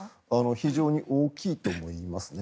非常に大きいと思いますね。